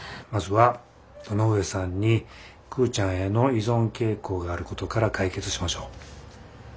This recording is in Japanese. まずは堂上さんにクウちゃんへの依存傾向があることから解決しましょう。